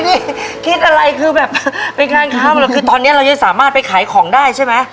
คิดอะไรคือแบบเป็นงานค้ามาเลยคือตอนนี้เรายังสามารถไปขายของได้ใช่ไหม